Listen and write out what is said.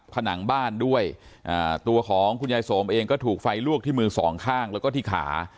ผนังบ้านด้วยตัวของคุณยายสมเองก็ถูกไฟลวกที่มือสองข้างแล้วก็ที่ขา